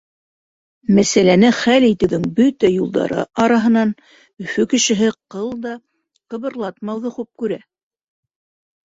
Мәсьәләне хәл итеүҙең бөтә юлдары араһынан Өфө кешеһе ҡыл да ҡыбырлатмауҙы хуп күрә.